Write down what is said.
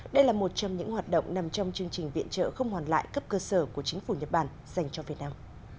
đây là một trong những hoạt động nằm trong chương trình viện trợ không hoàn lại cấp cơ sở của chính phủ nhật bản dành cho việt nam